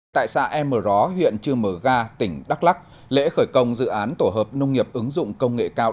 tại xã em ró huyện chư mờ ga tỉnh đắk lắc lễ khởi công dự án tổ hợp nông nghiệp ứng dụng công nghệ cao